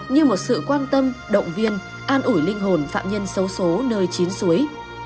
như một sự quan tâm động viên an ủi linh hồn phạm nhân xấu xố nơi chín suối